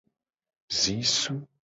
Zisu.